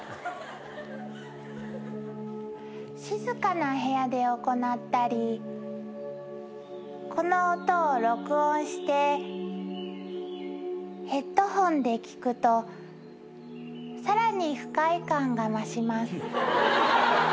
静かな部屋で行ったりこの音を録音してヘッドホンで聴くとさらに不快感が増します。